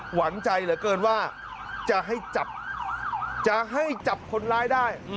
หวังใจเหลือเกินว่าจะให้จับจะให้จับคนร้ายได้